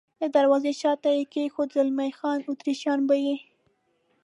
د دروازې شاته یې کېښود، زلمی خان: اتریشیان به یې.